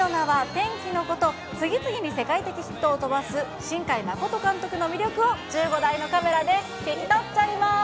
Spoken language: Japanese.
天気の子と、次々に世界的ヒットを飛ばす新海誠監督の魅力を、１５台のカメラで聞きとっちゃいます。